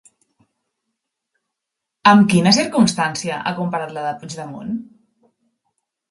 Amb quina circumstància ha comparat la de Puigdemont?